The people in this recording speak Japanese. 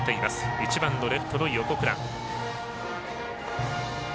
１番のレフトの横倉。